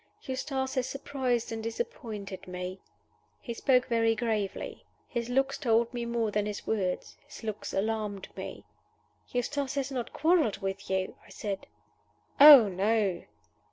"Eustace has surprised and disappointed me." He spoke very gravely. His looks told me more than his words: his looks alarmed me. "Eustace has not quarreled with you?" I said. "Oh no!"